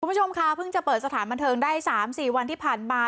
คุณผู้ชมค่ะเพิ่งจะเปิดสถานบันเทิงได้๓๔วันที่ผ่านมา